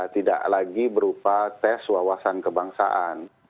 tidak lagi berupa tes wawasan kebangsaan